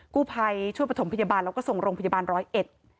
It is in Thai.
กู้ภัยช่วยประถมพยาบาลแล้วก็ส่งโรงพยาบาลร้อยเอ็ด